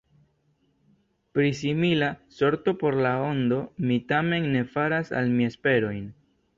Pri simila sorto por La Ondo mi tamen ne faras al mi esperojn.